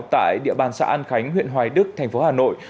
tại địa bàn xã an khánh huyện hoài đức thành phố hà nội